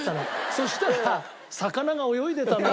そしたら魚が泳いでたんだよ